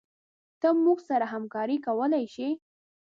ته موږ سره همکارې کولي شي